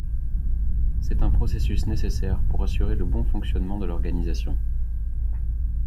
C'est un processus nécessaire pour assurer le bon fonctionnement de l’organisation.